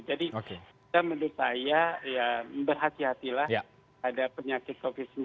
jadi menurut saya berhati hatilah pada penyakit covid sembilan belas